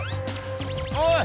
おい！